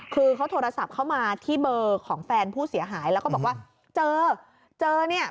คือเขาโทรศัพท์เข้ามาที่เบอร์ของแฟนผู้เสียหายแล้วก็บอกว่าเจอเจอเนี่ย